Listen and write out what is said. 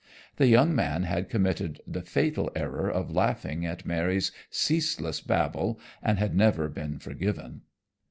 The young man had committed the fatal error of laughing at Mary's ceaseless babble and had never been forgiven.